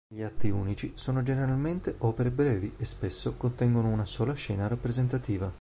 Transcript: Gli atti unici sono generalmente opere brevi, e spesso contengono una sola scena rappresentativa.